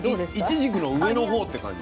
いちじくの上の方って感じ。